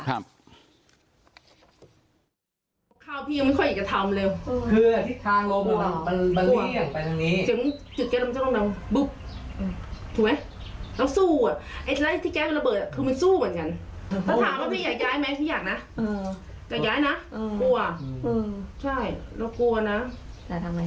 ถามว่าถ้าเกิดอีก๓๐ปีพี่จะมีแรงวิ่งไหมอ่ะ